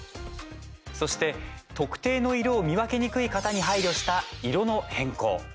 そして特定の色を見分けにくい方に配慮した色の変更。